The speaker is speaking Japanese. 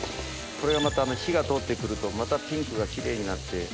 これは火が通って来るとまたピンクがキレイになって。